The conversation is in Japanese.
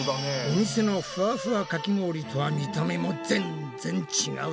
お店のふわふわかき氷とは見た目も全然ちがうぞ！